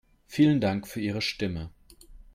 Vielen Dank für Ihre Stimme.